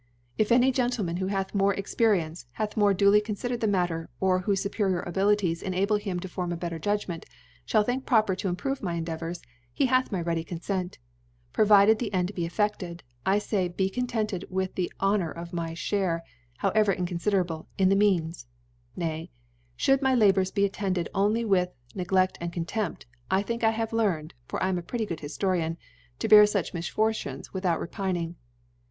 If any Gentleman, who hath had more Experience, hath more duly confidcred the Matter, or whofe fupcrior Abilities enable him to form a better Judg ment, Ihall think proper to improve my Endeavours, he hath my ready Confent. Provided the End be efFefted, I (hall be con tented with the Honour of my Share (how ever (69 ) *ver inconfiderable) in the Means: Ifay, Ihould my Labours be attended only with Negledt and Contempt, I think I have learn ed, (for I am a pretty good Hiftorian) to bear fuch Misfortunes without much Re pining.